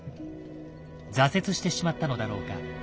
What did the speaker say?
挫折してしまったのだろうか。